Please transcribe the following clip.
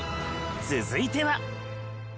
続いては。